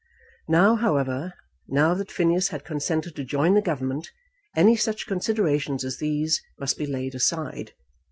Now, however, now that Phineas had consented to join the Government, any such considerations as these must be laid aside.